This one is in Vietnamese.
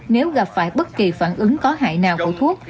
nếu gặp phải bất kỳ phản ứng có hại nào của thuốc